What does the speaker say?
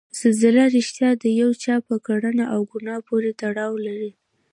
زلزله ریښتیا د یو چا په کړنه او ګناه پورې تړاو لري؟